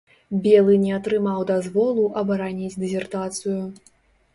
Белы не атрымаў дазволу абараніць дысертацыю.